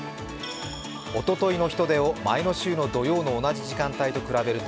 おとといの人出を前の週の土曜日の同じ時間帯と比べると